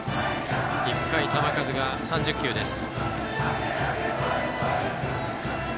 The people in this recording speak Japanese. １回、球数が３０球です。